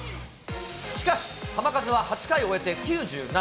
しかし、球数は８回を終えて９７。